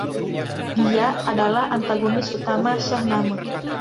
Dia adalah antagonis utama Shahnameh.